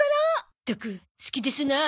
ったく好きですなあ。